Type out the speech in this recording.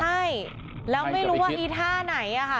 ใช่แล้วไม่รู้ว่าอีท่าไหนอะค่ะ